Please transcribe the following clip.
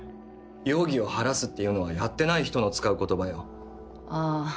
「容疑を晴らす」っていうのはやってない人の使う言葉よああ